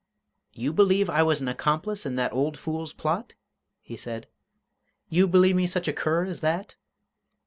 "You believe I was an accomplice in that old fool's plot?" he said. "You believe me such a cur as that?"